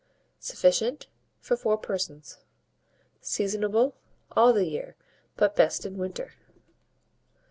Sufficient for 4 persons. Seasonable all the year, but best in winter.